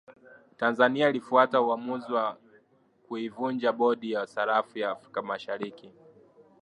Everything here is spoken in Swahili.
tanzania ilifuata uamuzi wa kuivunja bodi ya sarafu ya afrika mashariki